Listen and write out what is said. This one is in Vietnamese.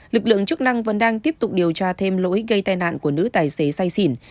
lực lượng chức năng vẫn đang tiếp tục điều tra thêm lỗi gây tai nạn của nữ tài xế say xỉn